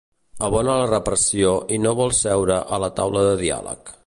Abona la repressió i no vol seure a la taula de diàleg.